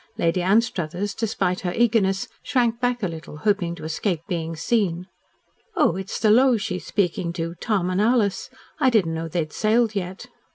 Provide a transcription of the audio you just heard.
Lady Anstruthers, despite her eagerness, shrank back a little, hoping to escape being seen. "Oh, it is the Lows she is speaking to Tom and Alice I did not know they had sailed yet."